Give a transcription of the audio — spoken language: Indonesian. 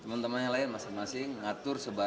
teman teman yang lain masing masing ngatur